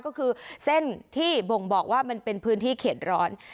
ก็คือเส้นที่บ่งบอกว่ามันเป็นพื้นที่เขตร้อน